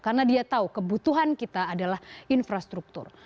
karena dia tahu kebutuhan kita adalah infrastruktur